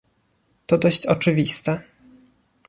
To dość oczywiste